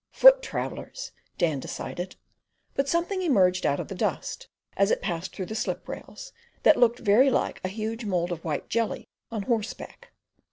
"Foot travellers!" Dan decided; but something emerged out of the dust, as it passed through the sliprails, that looked very like a huge mould of white jelly on horse back.